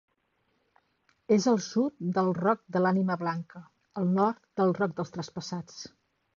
És al sud del Roc de l'Ànima Blanca, al nord del Roc dels Traspassats.